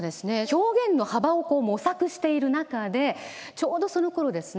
表現の幅を模索している中でちょうどそのころですね